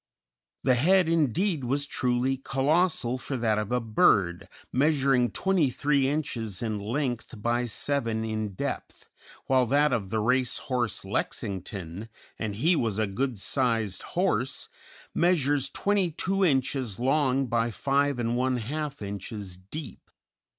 The head indeed was truly colossal for that of a bird, measuring 23 inches in length by 7 in depth, while that of the racehorse Lexington, and he was a good sized horse, measures 22 inches long by 5 1/2 inches deep.